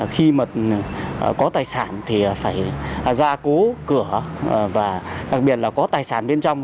khi mà có tài sản thì phải ra cố cửa và đặc biệt là có tài sản bên trong